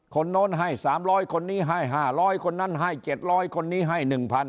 โน้นให้๓๐๐คนนี้ให้๕๐๐คนนั้นให้๗๐๐คนนี้ให้๑๐๐